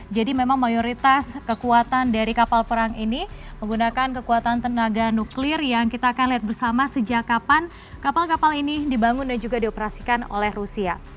memang mayoritas kekuatan dari kapal perang ini menggunakan kekuatan tenaga nuklir yang kita akan lihat bersama sejak kapan kapal kapal ini dibangun dan juga dioperasikan oleh rusia